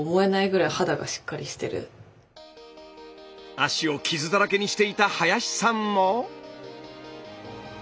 脚を傷だらけにしていた林さんも。